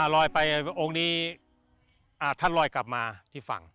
ลอยไปองค์นี้ท่านลอยกลับมาที่ฝั่ง